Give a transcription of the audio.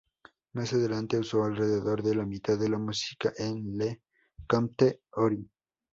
Más adelante usó alrededor de la mitad de la música en "Le comte Ory".